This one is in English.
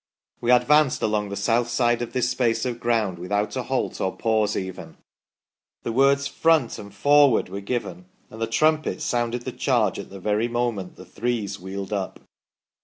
We advanced along the south side of this space of ground, without a halt or pause even ; the words " Front !" and " Forward !" were given, and the trumpet sounded the charge, at the very moment the threes wheeled up.